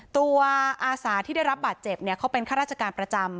อาสาที่ได้รับบาดเจ็บเขาเป็นข้าราชการประจำ